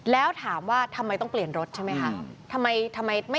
แล้วถามว่าทำไมต้องเปลี่ยนรถใช่ไหมคะ